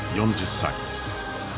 ４０歳。